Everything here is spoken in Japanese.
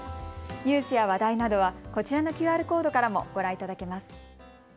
ニュースや話題などはこちらのＱＲコードからもご覧いただけます。